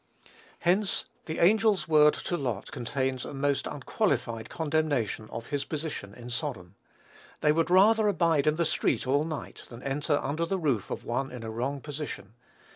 Hence, the angels' word to Lot contains a most unqualified condemnation of his position in Sodom. They would rather abide in the street all night, than enter under the roof of one in a wrong position.